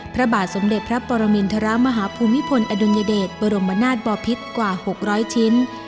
พระบาทสมเด็จพระปรมินทรมาฮภูมิพลอดุลยเดชบรมนาศบอพิษกว่า๖๐๐ชิ้น